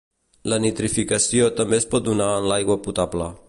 La nitrificació també es pot donar en l'aigua potable.